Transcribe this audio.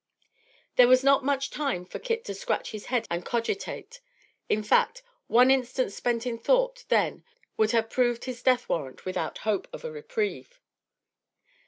There was not much time for Kit to scratch his head and cogitate. In fact, one instant spent in thought then would have proved his death warrant without hope of a reprieve.